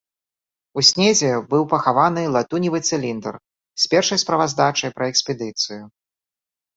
У снезе быў пахаваны латуневы цыліндр з першай справаздачай пра экспедыцыю.